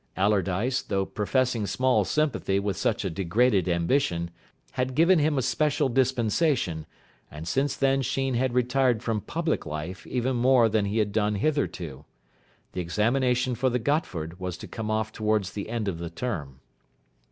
Allardyce, though professing small sympathy with such a degraded ambition, had given him a special dispensation, and since then Sheen had retired from public life even more than he had done hitherto. The examination for the Gotford was to come off towards the end of the term.